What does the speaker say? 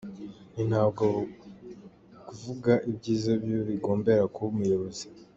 Nti ntabwo kuvuga ibyiza by’igihugu bigombera kuba umuyobozi.